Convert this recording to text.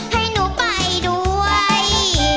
ให้หนูไปด้วย